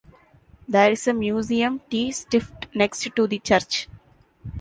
There is a museum 't Stift next to the church.